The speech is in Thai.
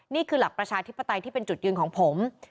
นี่คือหลักประชาธิปไตยที่เป็นจุดยืนของผม